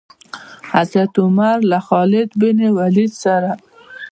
حضرت عمر له خالد بن ولید سره.